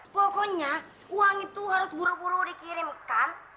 pokoknya uang itu harus buru buru dikirimkan